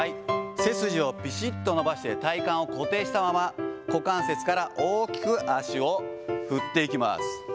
背筋をぴしっと伸ばして、体幹を固定したまま、股関節から大きく足を振っていきます。